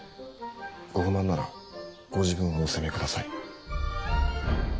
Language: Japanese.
ご不満ならご自分をお責めください。